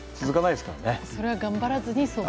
それは頑張らずに。